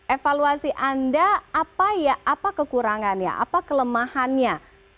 evaluasi anda apa ya apa kekurangannya apa kelemahannya